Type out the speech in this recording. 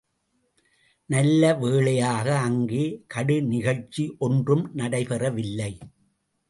நல்ல வேளையாக, அங்கே கடு நிகழ்ச்சியொன்றும் நடைபெறவில்லை.